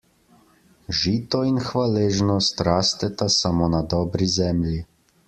Žito in hvaležnost rasteta samo na dobri zemlji.